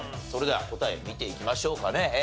それでは答え見ていきましょうかね。